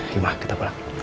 yaudah kita pulang